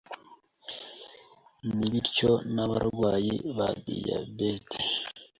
ni bityo n’abarwayi ba diyabete